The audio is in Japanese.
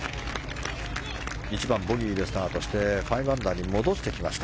１番、ボギーでスタートして５アンダーに戻してきました。